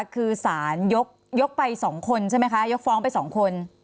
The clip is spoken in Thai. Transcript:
คือสารยกไป๒คนใช่ไหมคะยกฟ้องไป๒คน